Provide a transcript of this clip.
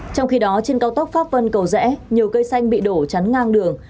trong khi đó trên cao tốc pháp vân cầu rẽ nhiều cây xanh bị đổ chắn ngang đường